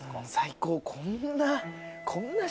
こんな。